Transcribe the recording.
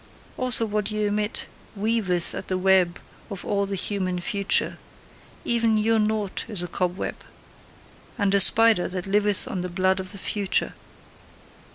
Also what ye omit weaveth at the web of all the human future; even your naught is a cobweb, and a spider that liveth on the blood of the future.